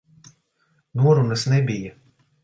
Norunas nebija.